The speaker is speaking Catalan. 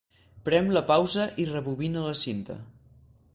Prem la pausa i rebobina la cinta.